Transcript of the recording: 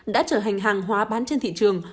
đã trở hành hàng hóa bán trên thị trường